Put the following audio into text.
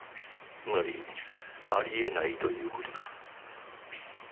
つまりあり得ないという事だ。